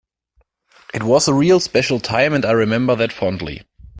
It was a real special time and I remember that fondly.